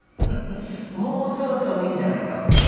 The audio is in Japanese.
「もうそろそろいいんじゃないかおふくろ」。